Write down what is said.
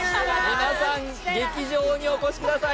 皆さん劇場にお越しください